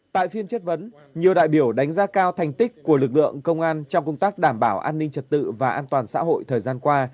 tại phiên chất vấn nhiều đại biểu đánh giá cao thành tích của lực lượng công an trong công tác đảm bảo an ninh trật tự và an toàn xã hội thời gian qua